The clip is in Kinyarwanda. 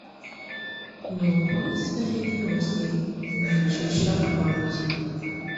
nuko israheli yose imwicisha amabuye